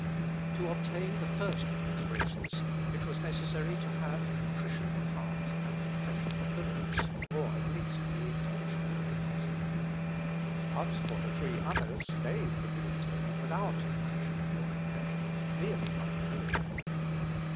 Ibid., 19. Ibid., 30. Ibid., 35. To obtain the first of these graces, it was necessary to have contrition of heart and confession of the lips, or, at least, the intention of confessing. But for the three others, they could be obtained without contrition or confession, merely by paying.